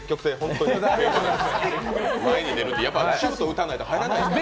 とにかく前に出る、やっぱりシュート打たないと入らないですから。